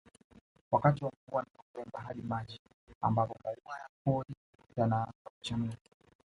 Wakati wa mvua ni Novemba hadi Machi mbapo maua ya porini yanaaza kuchanua